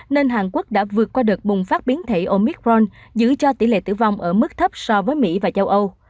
nên hàn quốc đã vượt qua đợt bùng phát biến thể omicron giữ cho tỷ lệ tử vong ở mức thấp so với mỹ và châu âu